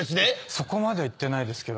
そこまでは言ってないですけど。